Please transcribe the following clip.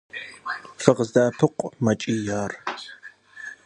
- ФыкъыздэӀэпыкъу! – мэкӀий ар.